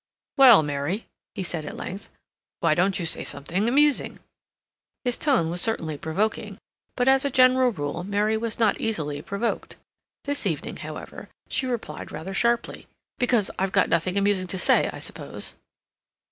"Well, Mary," he said at length, "why don't you say something amusing?" His tone was certainly provoking, but, as a general rule, Mary was not easily provoked. This evening, however, she replied rather sharply: "Because I've got nothing amusing to say, I suppose."